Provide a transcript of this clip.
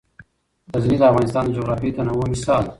غزني د افغانستان د جغرافیوي تنوع مثال دی.